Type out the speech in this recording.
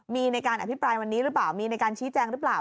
มีในการอภิปรายวันนี้หรือเปล่ามีในการชี้แจงหรือเปล่า